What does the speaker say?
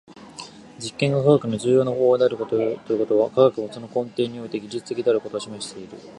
実験が科学の重要な方法であるということは、科学もその根底において技術的であることを示している。